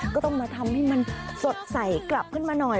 ก็ต้องมาทำให้มันสดใสกลับขึ้นมาหน่อย